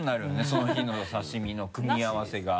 その日の刺身の組み合わせが。